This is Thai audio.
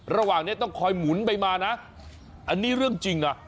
ระหว่างนี้ต้องคอยหมุนไปมานะอันนี้เรื่องจริงนะ